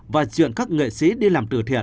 và chuyện các nghệ sĩ đi làm từ thiện